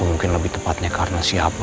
mungkin lebih tepatnya karena siapa